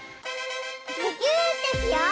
むぎゅーってしよう！